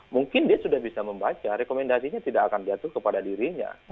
mungkin dia sudah bisa membaca rekomendasinya tidak akan jatuh kepada dirinya